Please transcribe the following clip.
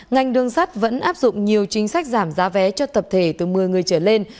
ngành đường sắt vẫn áp dụng nhiều chính sách giảm giá vé cho tập thể từ một mươi người trở lên